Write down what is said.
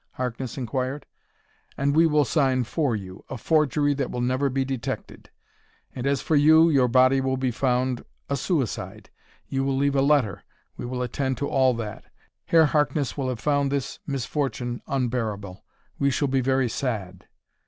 Harkness inquired. "And we will sign for you a forgery that will never be detected. And as for you, your body will be found a suicide! You will leave a letter: we will attend to all that. Herr Harkness will have found this misfortune unbearable.... We shall be very sad!"